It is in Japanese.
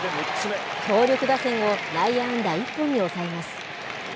強力打線を内野安打１本に抑えます。